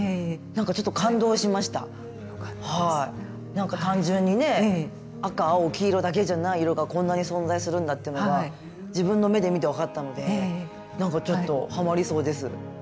なんか単純にね赤青黄色だけじゃない色がこんなに存在するんだってのが自分の目で見て分かったのでなんかちょっとハマりそうです。